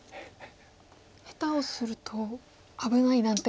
下手をすると危ないなんてことも。